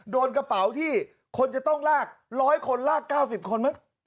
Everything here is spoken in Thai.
โดนกระเป๋าที่คนจะต้องลาก๑๐๐คนลาก๙๐คนมั้ง